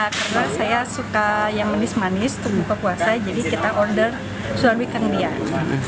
karena saya suka yang manis manis terbuka puasa jadi kita order surabi kandian